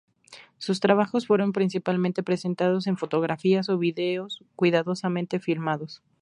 Sus trabajos fueron principalmente presentados en fotografías o videos cuidadosamente filmados.